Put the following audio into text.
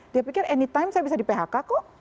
dia pikir anytime saya bisa di phk kok